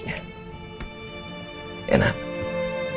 mereka akan datang selama info